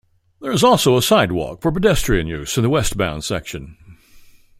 There is also a sidewalk for pedestrian use in the westbound section.